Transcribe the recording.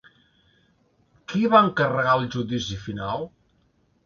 Qui va encarregar el Judici Final?